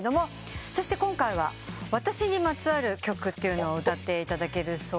そして今回は私にまつわる曲を歌っていただけるそうで。